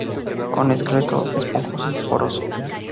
Con esqueleto esponjoso y poroso.